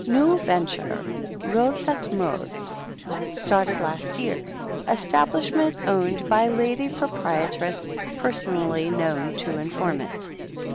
"New venture. Robes et Modes. Started last year. Establishment owned by Lady Proprietress, personally known to informant.